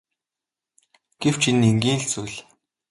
Гэвч энэ нь энгийн л зүйл.